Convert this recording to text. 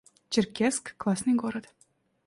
Черкесск — классный город